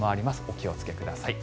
お気をつけください。